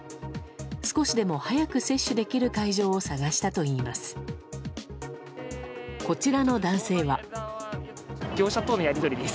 少しでも早く接種できる会場を探したといいます。